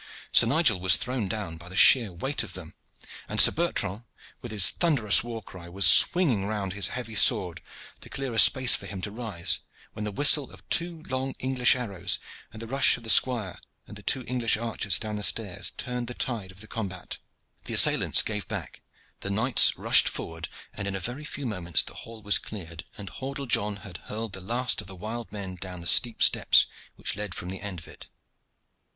Sir Nigel was thrown down by the sheer weight of them, and Sir Bertrand with his thunderous war cry was swinging round his heavy sword to clear a space for him to rise, when the whistle of two long English arrows, and the rush of the squire and the two English archers down the stairs, turned the tide of the combat. The assailants gave back, the knights rushed forward, and in a very few moments the hall was cleared, and Hordle John had hurled the last of the wild men down the steep steps which led from the end of it.